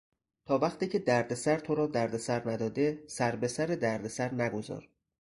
تا وقتی که دردسر تو را دردسر نداده سربهسر دردسر نگذار!